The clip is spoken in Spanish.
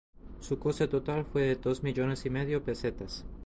Su coste total fue de dos millones y medio de pesetas.